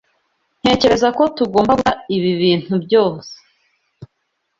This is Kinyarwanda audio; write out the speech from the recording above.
Ntekereza ko tugomba guta ibi bintu byose.